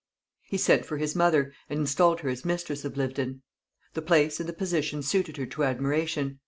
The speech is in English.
He sent for his mother, and installed her as mistress of Lyvedon. The place and the position suited her to admiration.